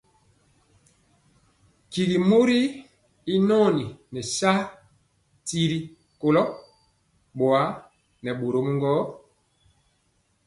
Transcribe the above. Tyigi mori y nɔni nɛ saa tiri kolo boa nɛ bórɔm gɔ.